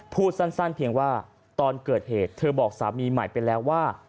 พูดสั้นเพียงว่าตอนเกิดเหตุเธอบอกสามีใหม่ไปแล้วว่า